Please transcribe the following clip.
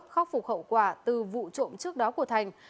khắc phục hậu quả từ vụ trộm trước đó của thành